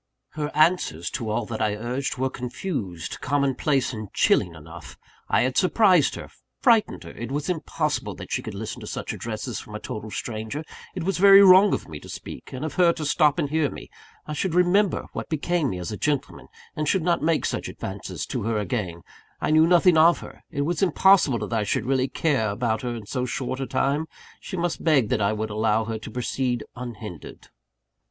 Her answers to all that I urged were confused, commonplace, and chilling enough. I had surprised her frightened her it was impossible she could listen to such addresses from a total stranger it was very wrong of me to speak, and of her to stop and hear me I should remember what became me as a gentleman, and should not make such advances to her again I knew nothing of her it was impossible I could really care about her in so short a time she must beg that I would allow her to proceed unhindered.